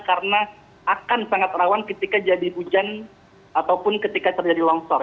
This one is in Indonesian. karena akan sangat rawan ketika jadi hujan ataupun ketika terjadi longsor